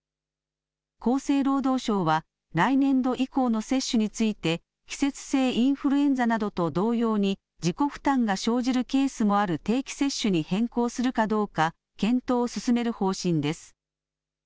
厚生労働省は来年度以降の接種について、季節性インフルエンザなどと同様に、自己負担が生じるケースもある定期接種に変更するかどうか、検討を進める方針です。